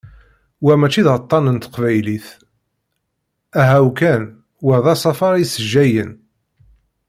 Wa mačči d aṭan n teqbaylit, ahaw kan, wa d asafar issejjayen.